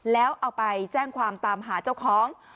แล้วเอาไปแจ้งความตามหาเจ้าของ